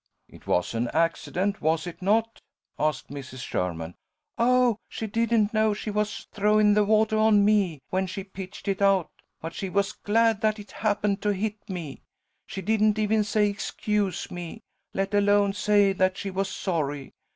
"It was an accident, was it not?" asked Mrs. Sherman. "Oh, she didn't know she was throwing the watah on me, when she pitched it out, but she was glad that it happened to hit me. She didn't even say 'excuse me,' let alone say that she was sorry.